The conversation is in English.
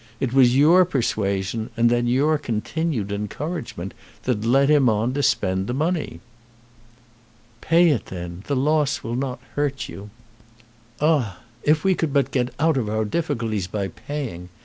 It was your persuasion and then your continued encouragement that led him on to spend the money." "Pay it then. The loss will not hurt you." "Ah; if we could but get out of our difficulties by paying!